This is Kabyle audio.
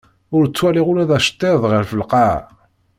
Ur ttwaliɣ ula d aceṭṭiḍ ɣef lqaɛa.